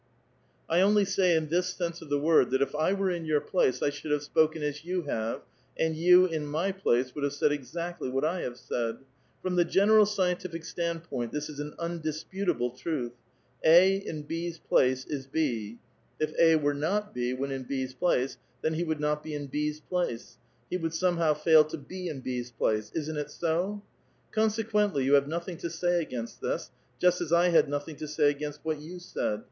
1 only say in this sense of tlie word, that if I were in your place I should have sjKiken as you have, and you in my place would have said exactly what I have said. From the general scientific stand[>oint, this is an undisputable truth. A in B's place is B ; if A were not B when in B's place, then he would not be in B*8 place ; he would somehow fail to be in B's .place ; isn't it so ? Consequentl}' you have nothing to say against this, just as I had nothing to say against what you said.